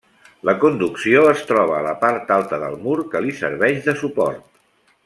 La conducció es troba a la part alta del mur que li serveix de suport.